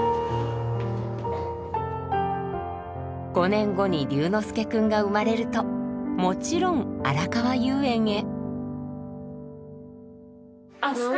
５年後に龍之介くんが生まれるともちろんあらかわ遊園へ。